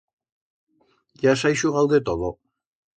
Ya s'ha ixugau de todo.